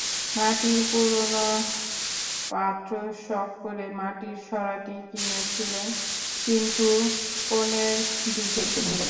মাটির পুরোনো পাত্রশখ করে মাটির সরাটি কিনেছিলেন, কিন্তু কোণের দিকে একটু ভেঙে গেল।